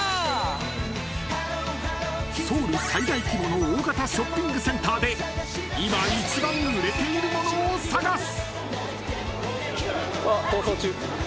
［ソウル最大規模の大型ショッピングセンターで今一番売れているものを探す］